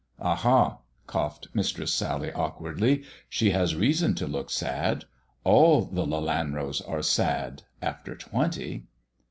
" Aha !" coughed Mistress Sally awkwardly, " she has reason to look sad. All the Lelanros are sad — after twenty."